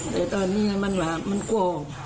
แต่ตอนนี้มันกลัว